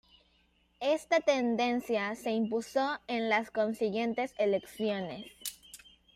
Esta tendencia se impuso en las consiguientes elecciones.